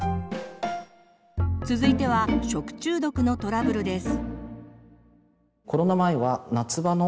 続いては食中毒のトラブルです。